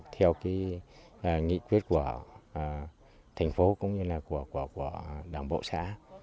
theo cái nghị quyết của thành phố cũng như là của đảng bộ xã